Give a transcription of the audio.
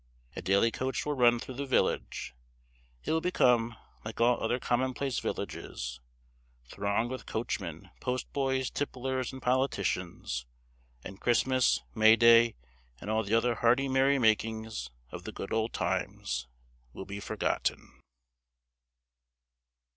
A daily coach will run through the village; it will become, like all other commonplace villages, thronged with coachmen, post boys, tipplers, and politicians; and Christmas, May day, and all the other hearty merry makings of the "good old times" will be forgotten.